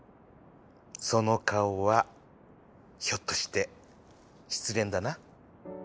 その顔はひょっとして失恋だな？